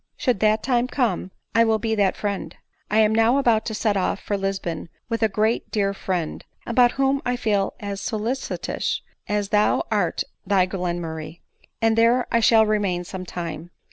Should that time come, 1 will be that friend. I am now about to set off for Lis bon with a very dear friend, about whom I feel as soli citous as thou about thy Glenmurray ; and there 1 shall remain some time.